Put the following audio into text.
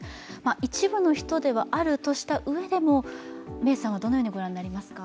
一部の人ではあるとしたうえでも、メイさんはどのようにご覧になりますか？